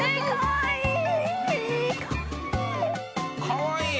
かわいい！